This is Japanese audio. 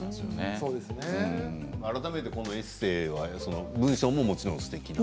改めてエッセーは文章ももちろんすてきだと。